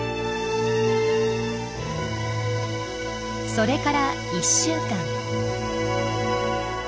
それから１週間。